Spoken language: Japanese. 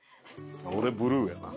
俺ブルーやな。